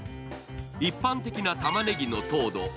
一般的なたまねぎの糖度